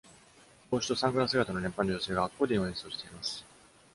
帽子とサングラス姿の年配の女性がアコーディオンを演奏しています。